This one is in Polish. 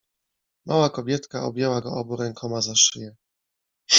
Mała kobietka objęła go obu rękoma za szyję.